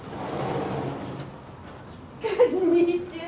こんにちは。